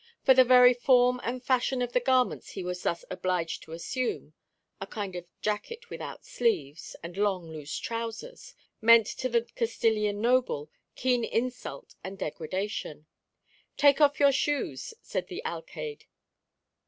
For the very form and fashion of the garments he was thus obliged to assume (a kind of jacket without sleeves, and long loose trowsers), meant to the Castilian noble keen insult and degradation. "Take off your shoes," said the alcayde.